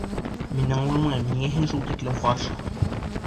Мин аңламайым, ниңә һин шул тиклем ҡаршы?